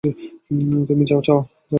তুমি যাও, ছেলে।